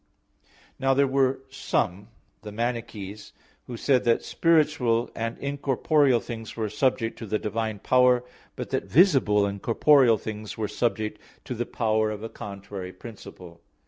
Now there were some (the Manichees) who said that spiritual and incorporeal things were subject to the divine power; but that visible and corporeal things were subject to the power of a contrary principle.